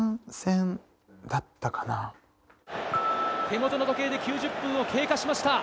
手元の時計で９０分を経過しました。